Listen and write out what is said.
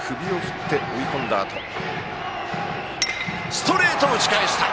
ストレートを打ち返した！